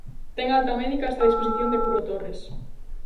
Ten a alta médica e está a disposición de Curro Torres.